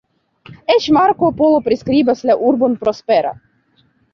Eĉ Marko Polo priskribas la urbon prospera.